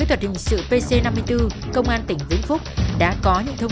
có thể phải nhiều lần tiếp cận thuyết phục